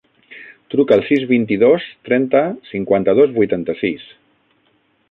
Truca al sis, vint-i-dos, trenta, cinquanta-dos, vuitanta-sis.